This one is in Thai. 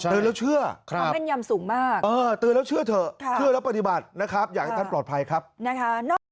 ตื่นแล้วเชื่อครับครับตื่นแล้วเชื่อเถอะคือแล้วปฏิบัตินะครับอย่างให้ท่านปลอดภัยครับนะคะ